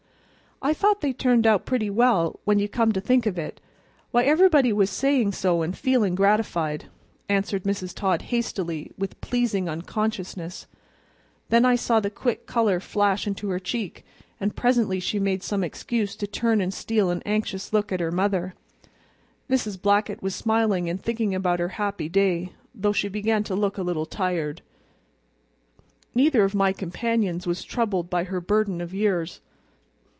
"I thought they turned out pretty well, when you come to think of it; why, everybody was sayin' so an' feelin' gratified," answered Mrs. Todd hastily with pleasing unconsciousness; then I saw the quick color flash into her cheek, and presently she made some excuse to turn and steal an anxious look at her mother. Mrs. Blackett was smiling and thinking about her happy day, though she began to look a little tired. Neither of my companions was troubled by her burden of years.